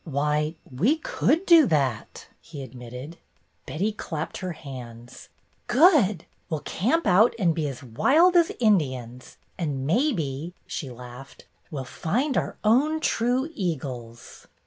"Why, we could do that," he admitted. Betty clapped her hands. "Good! We 'll camp out and be as wild at Indians, and maybe," she laughed, "we 'll find our own true eagles."